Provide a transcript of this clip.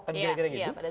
kan kira kira gitu